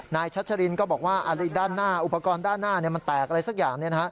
ชัชรินก็บอกว่าด้านหน้าอุปกรณ์ด้านหน้ามันแตกอะไรสักอย่าง